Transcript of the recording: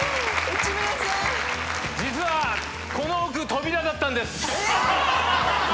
実はこの奥扉だったんです。